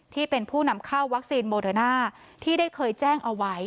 ที่เป็นผู้นำเข้าวัคซีนโมเดอร์น่าที่ได้เคยแจ้งเอาไว้